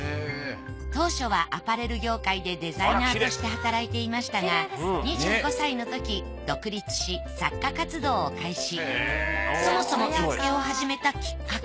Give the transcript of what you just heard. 当初はアパレル業界でデザイナーとして働いていましたが２５歳のとき独立し作家活動を開始。